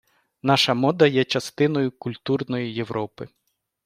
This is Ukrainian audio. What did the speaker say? Наша мода є частиною культурної Європи.